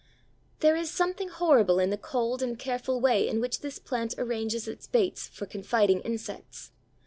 There is something horrible in the cold and careful way in which this plant arranges its baits for "confiding insects.